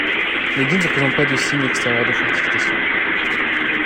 L'église ne présente pas de signe extérieur de fortification.